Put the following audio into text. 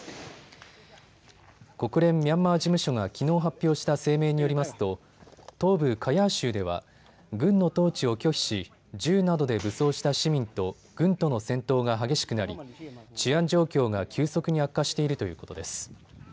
国連ミャンマー事務所がきのう発表した声明によりますと東部カヤー州では軍の統治を拒否し銃などで武装した市民と軍との戦闘が激しくなり治安状況が急速に悪化しているということです。